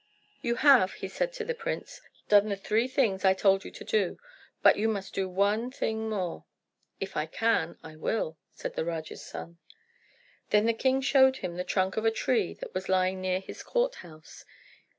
"You have," he said to the prince, "done the three things I told you to do; but you must do one thing more." "If I can, I will," said the Raja's son. Then the king showed him the trunk of a tree that was lying near his court house.